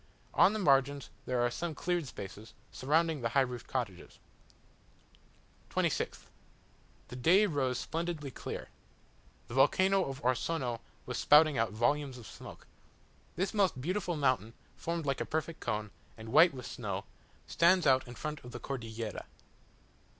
On the margins there are some cleared spaces, surrounding the high roofed cottages. 26th The day rose splendidly clear. The volcano of Orsono was spouting out volumes of smoke. This most beautiful mountain, formed like a perfect cone, and white with snow, stands out in front of the Cordillera.